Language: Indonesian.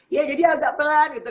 ya jadi agak pelan gitu